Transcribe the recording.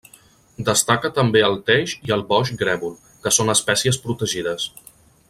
Destaca també el teix i el boix grèvol, que són espècies protegides.